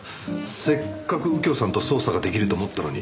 せっかく右京さんと捜査が出来ると思ったのに。